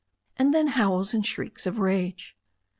'* And then howls and shrieks of rage.